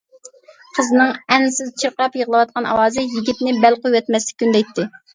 قىزنىڭ ئەنسىز چىرقىراپ يىغلاۋاتقان ئاۋازى يىگىتنى بەل قويۇۋەتمەسلىككە ئۈندەيتتى.